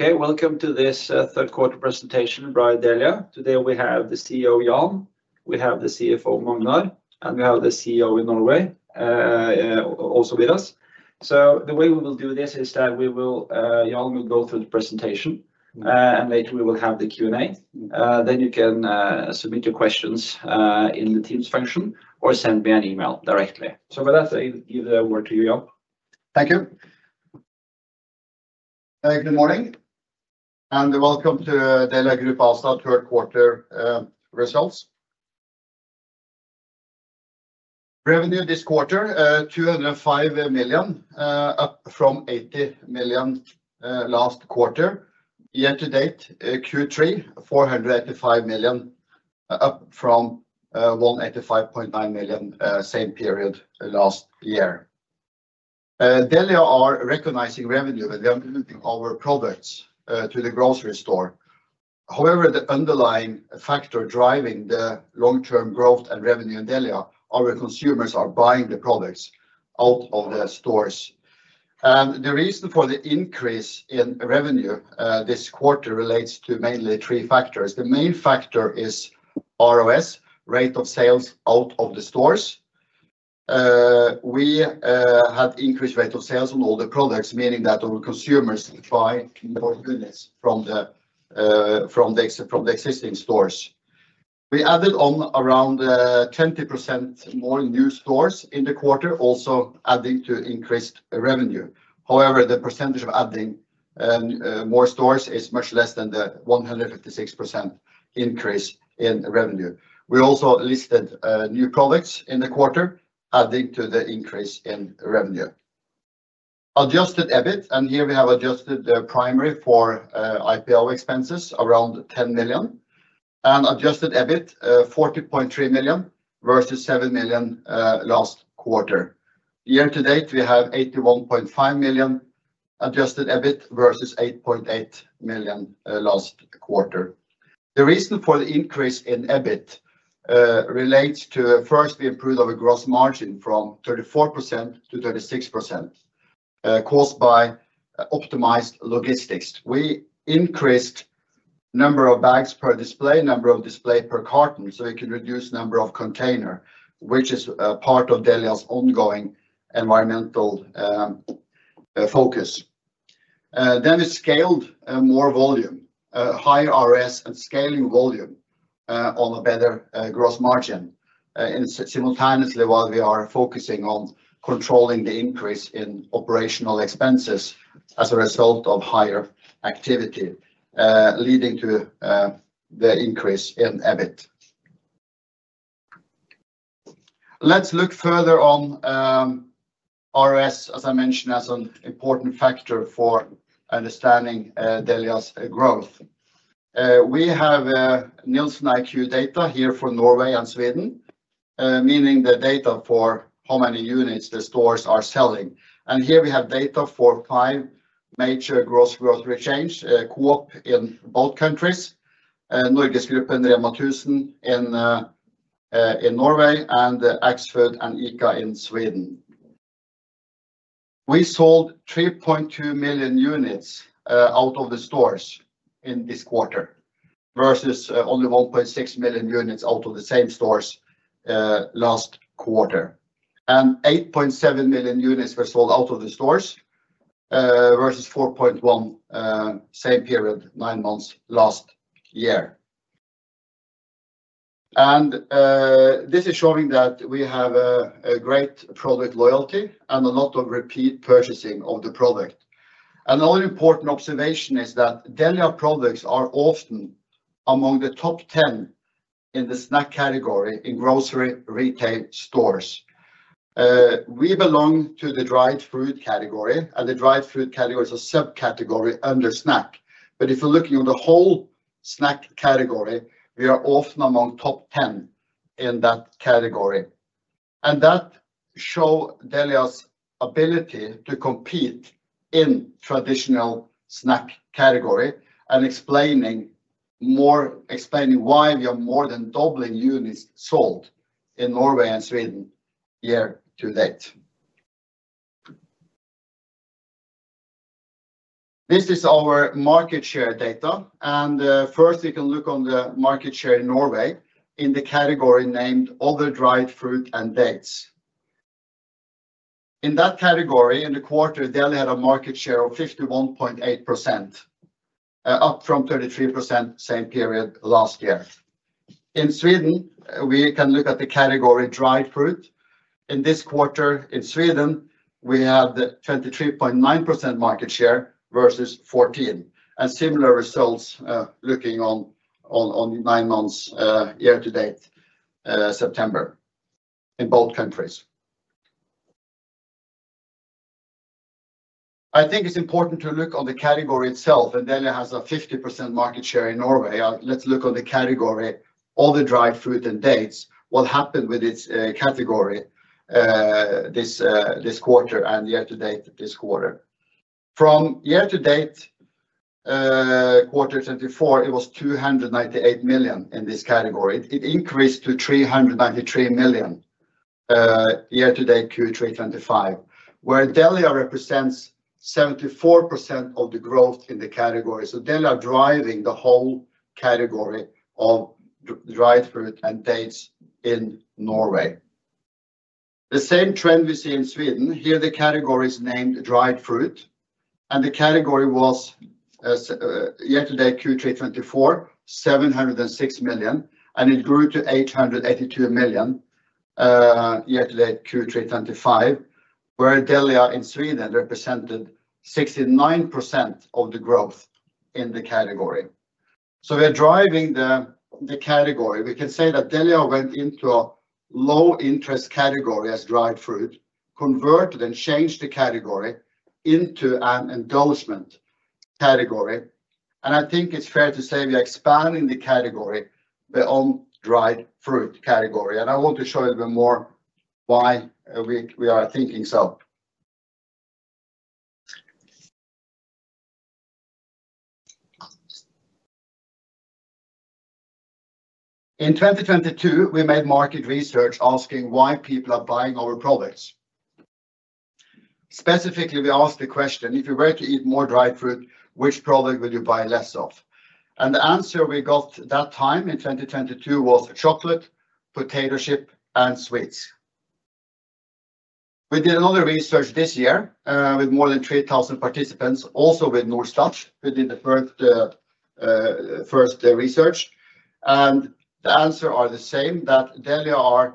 Okay, welcome to this third quarter presentation by Dellia Group. Today we have the CEO, Jan, we have the CFO, Magnar, and we have the CEO in Norway also with us. The way we will do this is that Yvonne will go through the presentation, and later we will have the Q&A. You can submit your questions in the Teams function or send me an email directly. For that, I give the word to you, Jan. Thank you. Good morning and welcome to Dellia Group ASA third quarter results. Revenue this quarter, 205 million, up from 80 million last quarter. Year to date, Q3, 485 million, up from 185.9 million same period last year. Dellia are recognizing revenue when they are moving our products to the grocery store. However, the underlying factor driving the long-term growth and revenue in Dellia, our consumers are buying the products out of the stores. The reason for the increase in revenue this quarter relates to mainly three factors. The main factor is ROS, rate of sales out of the stores. We had increased rate of sales on all the products, meaning that our consumers buy more units from the existing stores. We added on around 20% more new stores in the quarter, also adding to increased revenue. However, the percentage of adding more stores is much less than the 156% increase in revenue. We also listed new products in the quarter, adding to the increase in revenue. Adjusted EBIT, and here we have adjusted the primary for IPO expenses around 10 million, and adjusted EBIT, 40.3 million versus 7 million last quarter. Year to date, we have 81.5 million adjusted EBIT versus 8.8 million last quarter. The reason for the increase in EBIT relates to first, we improved our gross margin from 34% to 36% caused by optimized logistics. We increased number of bags per display, number of display per carton, so we can reduce number of container, which is part of Dellia's ongoing environmental focus. We scaled more volume, higher ROS, and scaling volume on a better gross margin simultaneously while we are focusing on controlling the increase in operational expenses as a result of higher activity, leading to the increase in EBIT. Let's look further on ROS, as I mentioned, as an important factor for understanding Dellia's growth. We have Nielsen IQ data here for Norway and Sweden, meaning the data for how many units the stores are selling. Here we have data for five major gross growth rate change, QWOP in both countries, NorgesGruppen and Rema 1000 in Norway, and Axfood and ICA in Sweden. We sold 3.2 million units out of the stores in this quarter versus only 1.6 million units out of the same stores last quarter. 8.7 million units were sold out of the stores versus 4.1 million same period, nine months last year. This is showing that we have a great product loyalty and a lot of repeat purchasing of the product. The only important observation is that Dellia products are often among the top 10 in the snack category in grocery retail stores. We belong to the dried fruit category, and the dried fruit category is a subcategory under snack. If you're looking at the whole snack category, we are often among the top 10 in that category. That shows Dellia's ability to compete in the traditional snack category and explains why we are more than doubling units sold in Norway and Sweden year to date. This is our market share data. First, we can look at the market share in Norway in the category named other dried fruit and dates. In that category, in the quarter, Dellia had a market share of 51.8%, up from 33% same period last year. In Sweden, we can look at the category dried fruit. In this quarter in Sweden, we had 23.9% market share versus 14%. Similar results looking on nine months year to date, September, in both countries. I think it's important to look on the category itself, and Dellia has a 50% market share in Norway. Let's look on the category, other dried fruit and dates, what happened with its category this quarter and year to date this quarter. From year to date, quarter 2024, it was 298 million in this category. It increased to 393 million year to date Q3 2025, where Dellia represents 74% of the growth in the category. Dellia is driving the whole category of dried fruit and dates in Norway. The same trend we see in Sweden. Here, the category is named dried fruit. The category was year to date Q3 2024, 706 million, and it grew to 882 million year to date Q3 2025, where Dellia in Sweden represented 69% of the growth in the category. We are driving the category. We can say that Dellia went into a low interest category as dried fruit, converted and changed the category into an endorsement category. I think it's fair to say we are expanding the category on dried fruit category. I want to show a little bit more why we are thinking so. In 2022, we made market research asking why people are buying our products. Specifically, we asked the question, if you were to eat more dried fruit, which product would you buy less of? The answer we got that time in 2022 was chocolate, potato chip, and sweets. We did another research this year with more than 3,000 participants, also with Norsk Touch, who did the first research. The answers are the same, that Dellia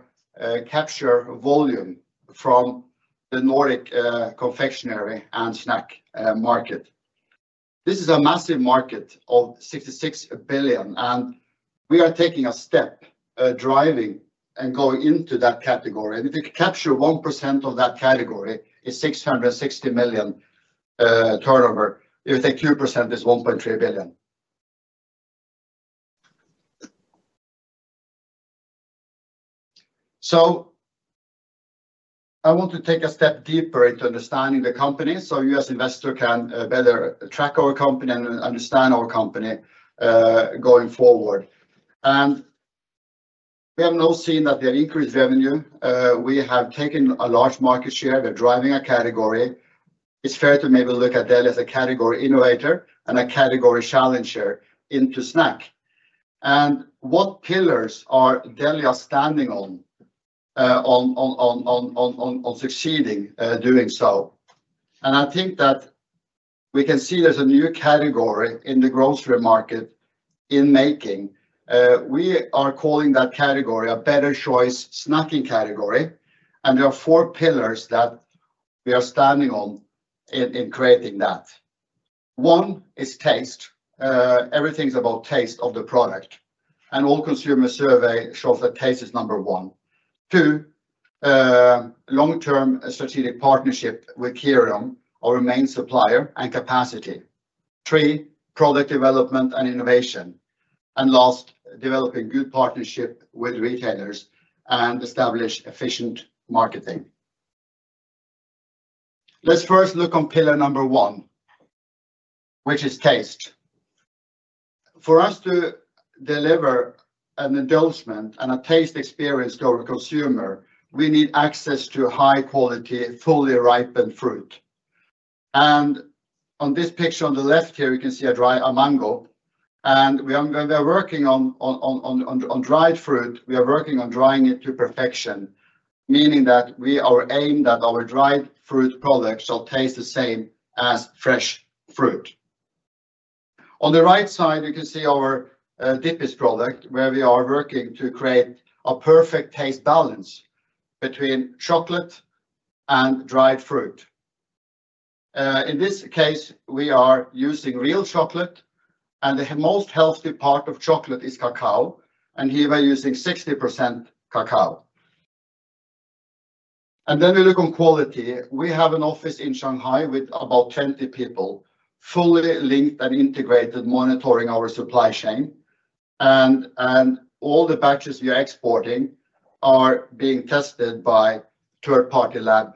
captures volume from the Nordic confectionery and snack market. This is a massive market of 66 billion, and we are taking a step, driving and going into that category. If we capture 1% of that category, it is 660 million turnover. If we take 2%, it is 1.3 billion. I want to take a step deeper into understanding the company so you as an investor can better track our company and understand our company going forward. We have now seen that they have increased revenue. We have taken a large market share. They are driving a category. It's fair to maybe look at Dellia as a category innovator and a category challenger into snack. What pillars are Dellia standing on succeeding doing so? I think that we can see there's a new category in the grocery market in making. We are calling that category a better choice snacking category. There are four pillars that we are standing on in creating that. One is taste. Everything's about taste of the product. All consumer surveys show that taste is number one. Two, long-term strategic partnership with Keurig, our main supplier, and capacity. Three, product development and innovation. Last, developing good partnership with retailers and establish efficient marketing. Let's first look on pillar number one, which is taste. For us to deliver an endorsement and a taste experience to our consumer, we need access to high-quality, fully ripened fruit. On this picture on the left here, you can see a mango. We are working on dried fruit. We are working on drying it to perfection, meaning that we are aiming that our dried fruit products shall taste the same as fresh fruit. On the right side, you can see our Deepest product, where we are working to create a perfect taste balance between chocolate and dried fruit. In this case, we are using real chocolate, and the most healthy part of chocolate is cacao. Here we're using 60% cacao. We look on quality. We have an office in Shanghai with about 20 people, fully linked and integrated, monitoring our supply chain. All the batches we are exporting are being tested by third-party lab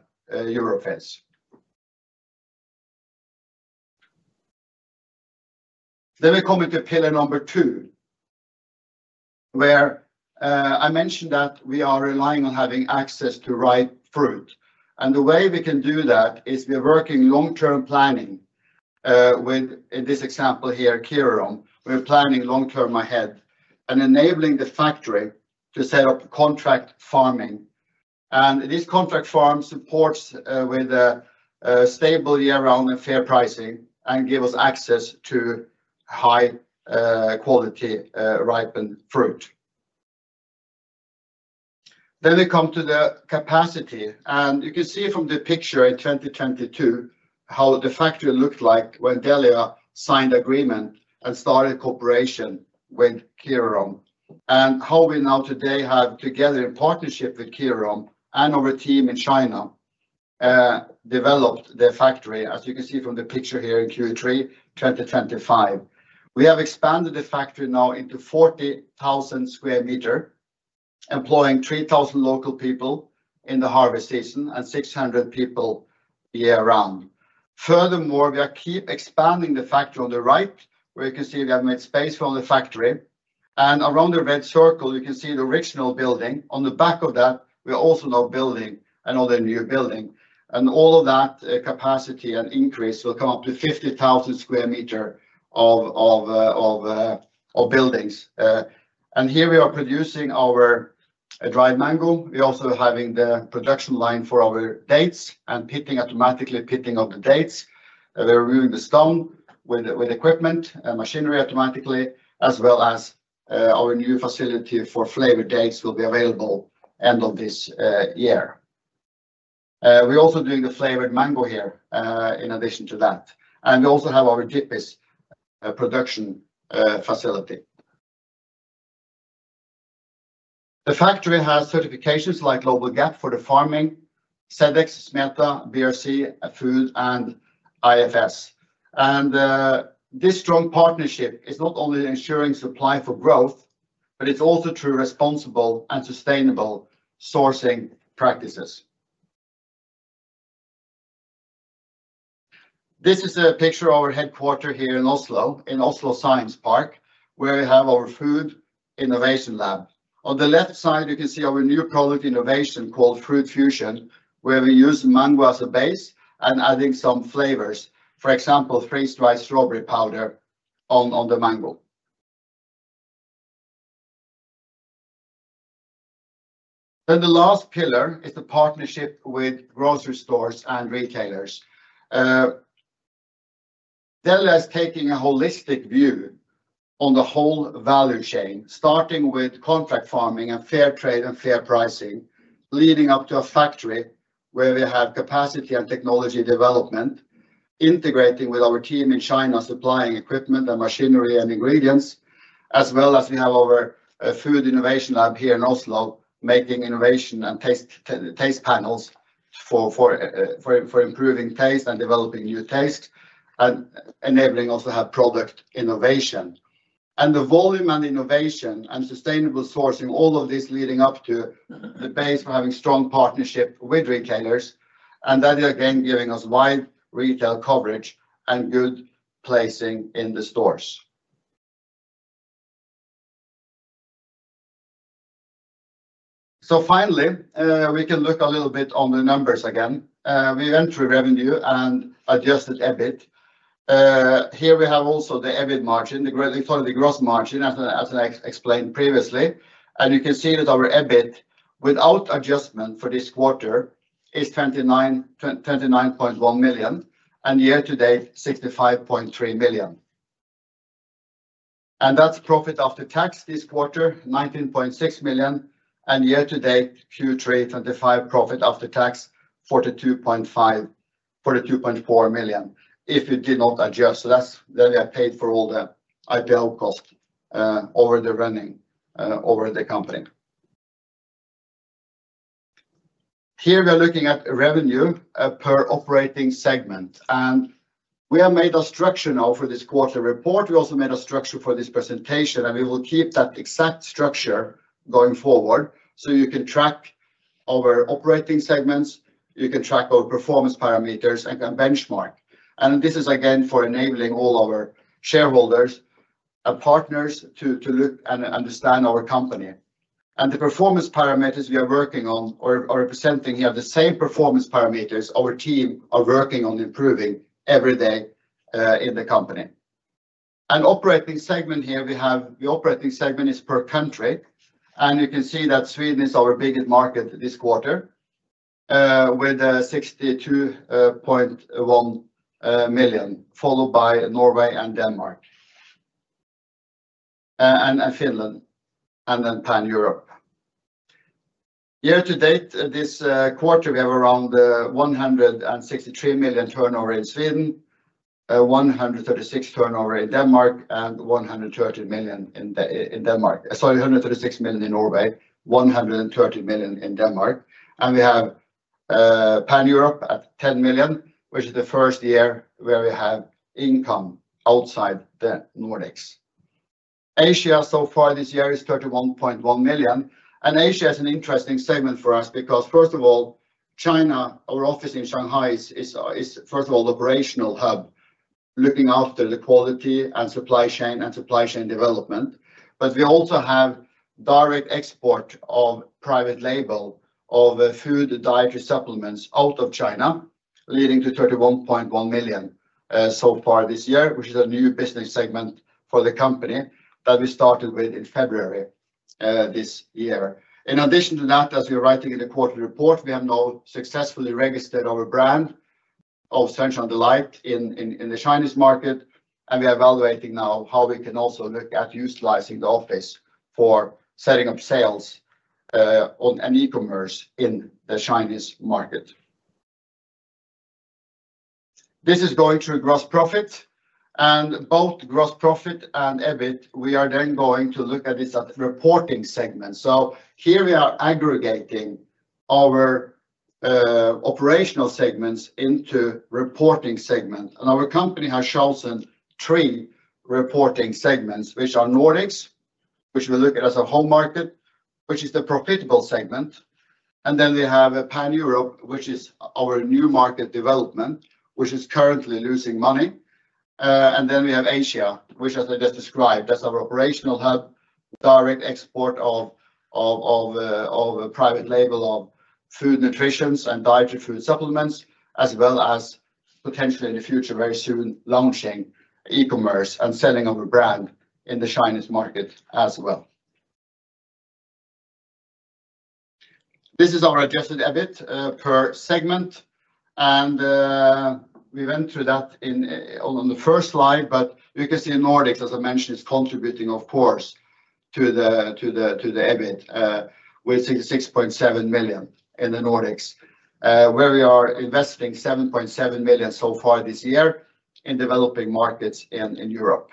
Eurofins. We come into pillar number two, where I mentioned that we are relying on having access to ripe fruit. The way we can do that is we are working long-term planning with, in this example here, Keurig. We're planning long-term ahead and enabling the factory to set up contract farming. This contract farm supports with a stable year-round and fair pricing and gives us access to high-quality ripened fruit. We come to the capacity. You can see from the picture in 2022 how the factory looked like when Dellia signed agreement and started cooperation with Keurig, and how we now today have together in partnership with Keurig and our team in China developed their factory, as you can see from the picture here in Q3 2025. We have expanded the factory now into 40,000 square meters, employing 3,000 local people in the harvest season and 600 people year-round. Furthermore, we are expanding the factory on the right, where you can see we have made space for the factory. Around the red circle, you can see the Ricksnell building. On the back of that, we are also now building another new building. All of that capacity and increase will come up to 50,000 square meters of buildings. Here we are producing our dried mango. We are also having the production line for our dates and pitting, automatically pitting of the dates. We are removing the stone with equipment and machinery automatically, as well as our new facility for flavored dates will be available end of this year. We're also doing the flavored mango here in addition to that. We also have our Deepest production facility. The factory has certifications like Global GAP for the farming, CEDEX, SMETA, BRC Food, and IFS. This strong partnership is not only ensuring supply for growth, but it is also true responsible and sustainable sourcing practices. This is a picture of our headquarter here in Oslo, in Oslo Science Park, where we have our food innovation lab. On the left side, you can see our new product innovation called Fruit Fusion, where we use mango as a base and adding some flavors, for example, freeze-dried strawberry powder on the mango. The last pillar is the partnership with grocery stores and retailers. Dellia is taking a holistic view on the whole value chain, starting with contract farming and fair trade and fair pricing, leading up to a factory where we have capacity and technology development, integrating with our team in China supplying equipment and machinery and ingredients, as well as we have our food innovation lab here in Oslo making innovation and taste panels for improving taste and developing new tastes and enabling also to have product innovation. The volume and innovation and sustainable sourcing, all of this leading up to the base for having strong partnership with retailers, and that is again giving us wide retail coverage and good placing in the stores. Finally, we can look a little bit on the numbers again. We went through revenue and adjusted EBIT. Here we have also the EBIT margin, the gross margin, as I explained previously. You can see that our EBIT without adjustment for this quarter is 29.1 million, and year to date 65.3 million. That is profit after tax this quarter, 19.6 million, and year to date Q3 2025 profit after tax 42.4 million if you did not adjust. That means we have paid for all the IPO cost over the running of the company. Here we are looking at revenue per operating segment. We have made a structure now for this quarter report. We also made a structure for this presentation, and we will keep that exact structure going forward so you can track our operating segments, you can track our performance parameters, and can benchmark. This is again for enabling all our shareholders and partners to look and understand our company. The performance parameters we are working on or presenting here are the same performance parameters our team are working on improving every day in the company. The operating segment here, we have the operating segment is per country. You can see that Sweden is our biggest market this quarter with 62.1 million, followed by Norway and Denmark and Finland and then pan-Europe. Year to date, this quarter we have around 163 million turnover in Sweden, 136 million turnover in Norway, and 130 million in Denmark. We have pan-Europe at 10 million, which is the first year where we have income outside the Nordics. Asia so far this year is 31.1 million. Asia is an interesting segment for us because, first of all, China, our office in Shanghai, is, first of all, the operational hub looking after the quality and supply chain and supply chain development. We also have direct export of private label of food and dietary supplements out of China, leading to 31.1 million so far this year, which is a new business segment for the company that we started with in February this year. In addition to that, as we're writing in the quarter report, we have now successfully registered our brand of Sunshine Delight in the Chinese market. We are evaluating now how we can also look at utilizing the office for setting up sales on an e-commerce in the Chinese market. This is going through gross profit. Both gross profit and EBIT, we are then going to look at this as reporting segments. Here we are aggregating our operational segments into reporting segments. Our company has chosen three reporting segments, which are Nordics, which we look at as a home market, which is the profitable segment. We have pan-Europe, which is our new market development, which is currently losing money. We have Asia, which, as I just described, is our operational hub, direct export of private label of food nutritions and dietary food supplements, as well as potentially in the future, very soon, launching e-commerce and selling our brand in the Chinese market as well. This is our adjusted EBIT per segment. We went through that on the first slide, but you can see Nordics, as I mentioned, is contributing, of course, to the EBIT with 66.7 million in the Nordics, where we are investing 7.7 million so far this year in developing markets in Europe.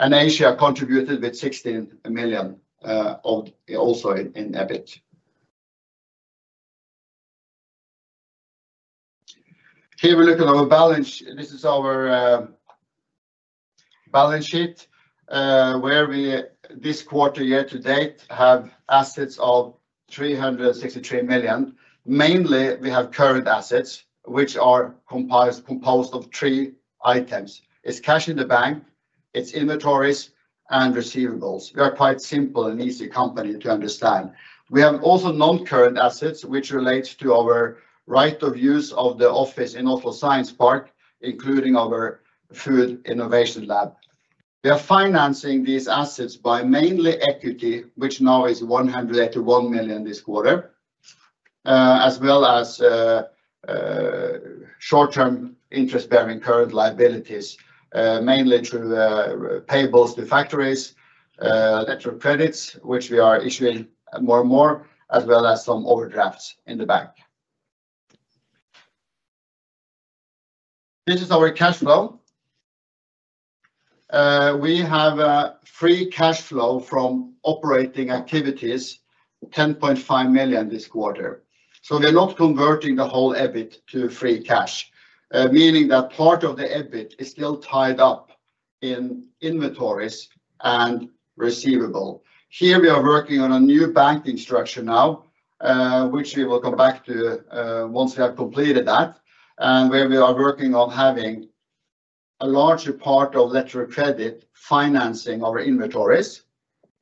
Asia contributed with 16 million also in EBIT. Here we are looking at our balance. This is our balance sheet where we this quarter year to date have assets of 363 million. Mainly, we have current assets, which are composed of three items. It is cash in the bank, it is inventories, and receivables. We are quite a simple and easy company to understand. We have also non-current assets, which relates to our right of use of the office in Oslo Science Park, including our food innovation lab. We are financing these assets by mainly equity, which now is 181 million this quarter, as well as short-term interest-bearing current liabilities, mainly through payables to factories, electric credits, which we are issuing more and more, as well as some overdrafts in the bank. This is our cash flow. We have free cash flow from operating activities, 10.5 million this quarter. We're not converting the whole EBIT to free cash, meaning that part of the EBIT is still tied up in inventories and receivables. Here we are working on a new banking structure now, which we will come back to once we have completed that, and where we are working on having a larger part of electric credit financing our inventories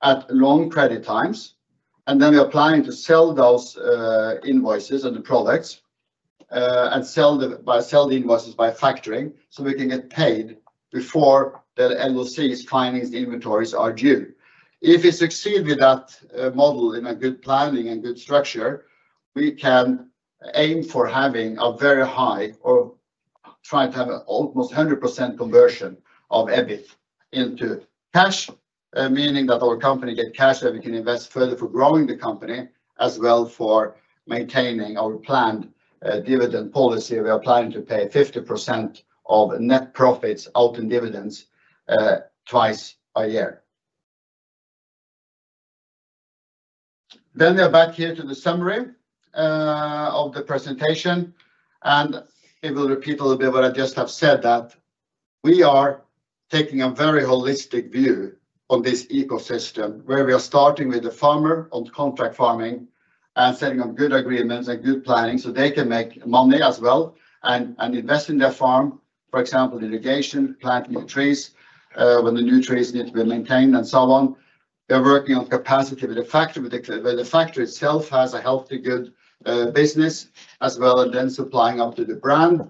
at long credit times. We are planning to sell those invoices and the products and sell the invoices by factoring so we can get paid before the LOCs finance the inventories are due. If we succeed with that model in a good planning and good structure, we can aim for having a very high or try to have almost 100% conversion of EBIT into cash, meaning that our company gets cash that we can invest further for growing the company as well for maintaining our planned dividend policy. We are planning to pay 50% of net profits out in dividends twice a year. We are back here to the summary of the presentation. It will repeat a little bit what I just have said, that we are taking a very holistic view on this ecosystem, where we are starting with the farmer on contract farming and setting up good agreements and good planning so they can make money as well and invest in their farm, for example, irrigation, planting trees when the new trees need to be maintained and so on. We're working on capacity with the factory. The factory itself has a healthy good business as well, and then supplying up to the brand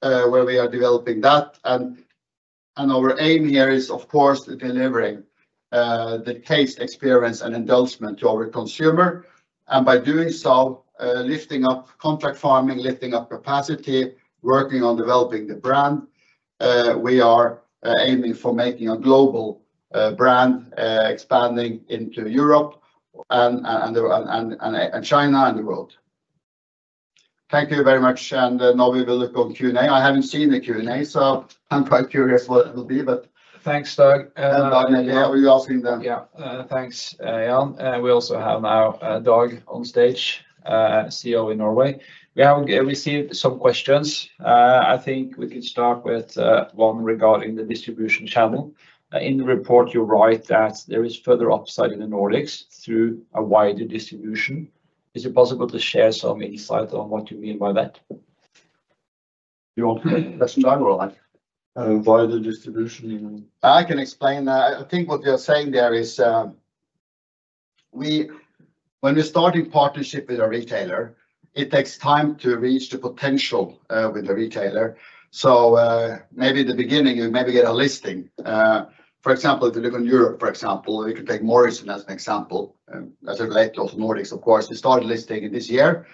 where we are developing that. Our aim here is, of course, delivering the taste, experience, and endorsement to our consumer. By doing so, lifting up contract farming, lifting up capacity, working on developing the brand, we are aiming for making a global brand expanding into Europe and China and the world. Thank you very much. Now we will look on Q&A. I haven't seen the Q&A, so I'm quite curious what it will be, but thanks, Dag. Are you asking them? Yeah. Thanks, Jan. We also have now Dag on stage, CEO in Norway. Jan We have received some questions. I think we can start with one regarding the distribution channel. In the report, you write that there is further upside in the Nordics through a wider distribution. Is it possible to share some insight on what you mean by that? You want to ask Doug or I? Wider distribution. I can explain that. I think what you're saying there is when we're starting partnership with a retailer, it takes time to reach the potential with the retailer. Maybe in the beginning, you maybe get a listing. For example, if you look on Europe, for example, we could take Morrison as an example. That's related to Nordics, of course. We started listing this year,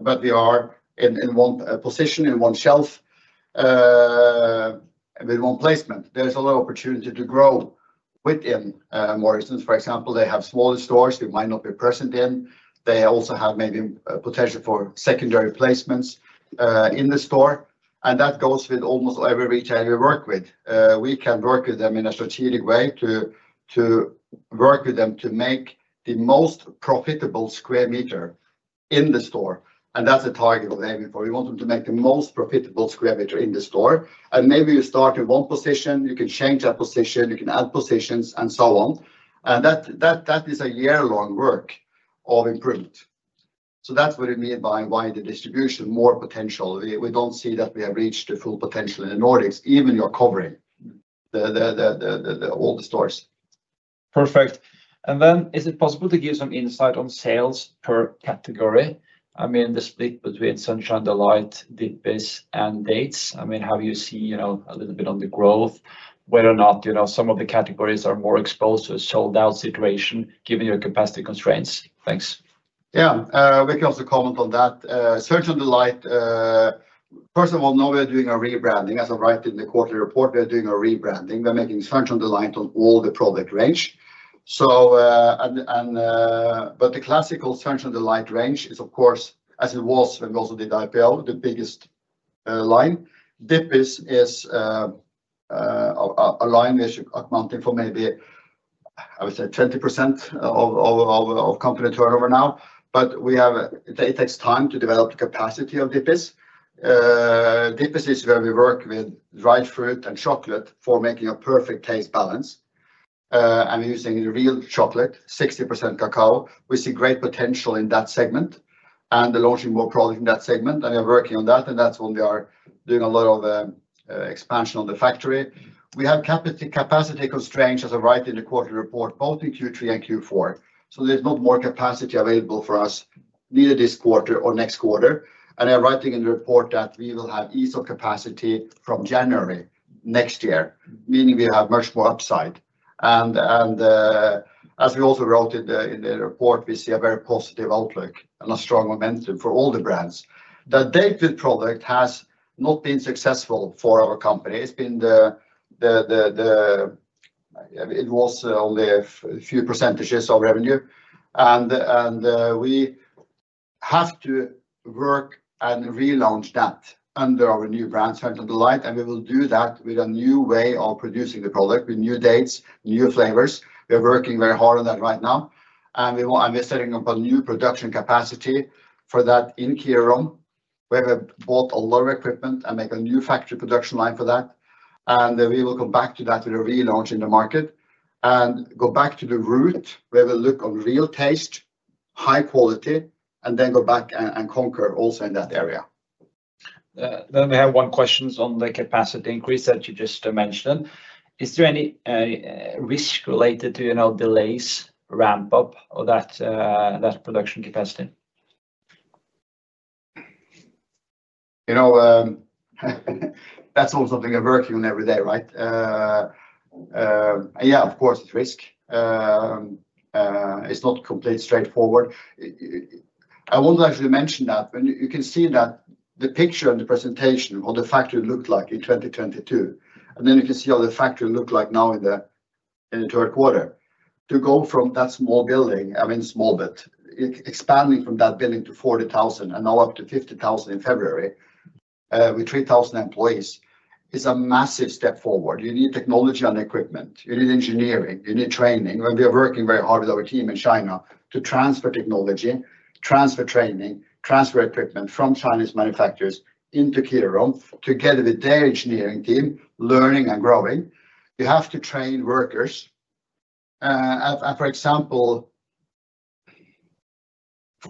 but we are in one position, in one shelf, with one placement. There's a lot of opportunity to grow within Morrison. For example, they have smaller stores we might not be present in. They also have maybe potential for secondary placements in the store. That goes with almost every retailer we work with. We can work with them in a strategic way to work with them to make the most profitable square meter in the store. That's the target of AB4. We want them to make the most profitable square meter in the store. Maybe you start in one position, you can change that position, you can add positions, and so on. That is a year-long work of improvement. That's what we mean by wider distribution, more potential. We don't see that we have reached the full potential in the Nordics, even if you're covering all the stores. Perfect. Is it possible to give some insight on sales per category? I mean, the split between Sunshine Delight, Deepest, and Dates. I mean, have you seen a little bit on the growth, whether or not some of the categories are more exposed to a sold-out situation given your capacity constraints? Thanks. Yeah, we can also comment on that. Sunshine Delight, first of all, now we're doing a rebranding. As I write in the quarter report, we're doing a rebranding. We're making Sunshine Delight on all the product range. The classical Sunshine Delight range is, of course, as it was when we also did IPO, the biggest line. Deepest is a line which is accounting for maybe, I would say, 20% of company turnover now. It takes time to develop the capacity of Deepest. Deepest is where we work with dried fruit and chocolate for making a perfect taste balance. We're using real chocolate, 60% cocoa. We see great potential in that segment and launching more product in that segment. We are working on that. That is when we are doing a lot of expansion on the factory. We have capacity constraints, as I write in the quarter report, both in Q3 and Q4. There is not more capacity available for us neither this quarter or next quarter. I am writing in the report that we will have ease of capacity from January next year, meaning we have much more upside. As we also wrote in the report, we see a very positive outlook and a strong momentum for all the brands. The Deepest product has not been successful for our company. It was only a few % of revenue. We have to work and relaunch that under our new brand, Sunshine Delight. We will do that with a new way of producing the product, with new dates, new flavors. We are working very hard on that right now. We are setting up a new production capacity for that in Keirun. We have bought a lot of equipment and made a new factory production line for that. We will come back to that with a relaunch in the market and go back to the root where we look on real taste, high quality, and then go back and conquer also in that area. We have one question on the capacity increase that you just mentioned. Is there any risk related to delays, ramp-up, or that production capacity? That is also something we are working on every day, right? Yeah, of course, it is risk. It is not completely straightforward. I want to actually mention that you can see that the picture and the presentation of what the factory looked like in 2022. You can see how the factory looked like now in the third quarter. To go from that small building, I mean, small, but expanding from that building to 40,000 and now up to 50,000 in February with 3,000 employees is a massive step forward. You need technology and equipment. You need engineering. You need training. We are working very hard with our team in China to transfer technology, transfer training, transfer equipment from Chinese manufacturers into Keirun together with their engineering team, learning and growing. You have to train workers. For example,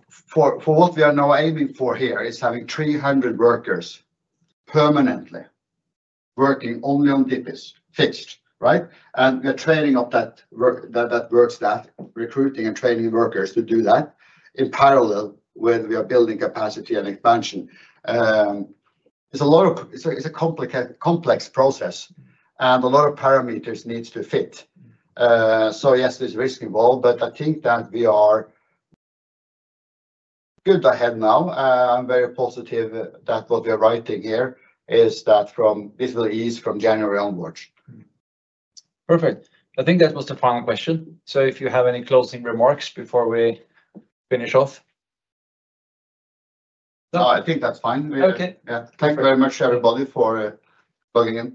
for what we are now aiming for here is having 300 workers permanently working only on Deepest, fixed, right? We are training that work staff, recruiting and training workers to do that in parallel with we are building capacity and expansion. It's a complex process, and a lot of parameters need to fit. Yes, there's risk involved, but I think that we are good ahead now. I'm very positive that what we are writing here is that this will ease from January onwards. Perfect. I think that was the final question. If you have any closing remarks before we finish off? No, I think that's fine. Yeah. Thank you very much, everybody, for logging in.